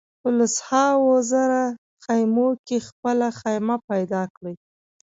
په لسهاوو زره خېمو کې خپله خېمه پیدا کړي.